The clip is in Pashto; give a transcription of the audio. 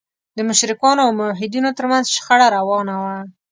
د مشرکانو او موحدینو تر منځ شخړه روانه وه.